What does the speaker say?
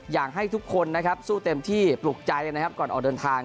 อยากให้ทุกคนนะครับสู้เต็มที่ปลุกใจนะครับก่อนออกเดินทาง